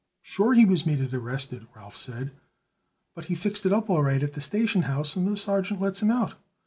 "Sure he was made it arrested," Ralph said. "But he fixed it up all right at the station house, and the sergeant lets him out.